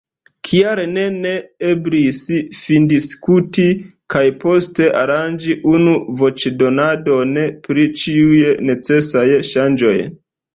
Kial ne ne eblis findiskuti kaj poste aranĝi unu voĉdonadon pri ĉiuj necesaj ŝanĝoj?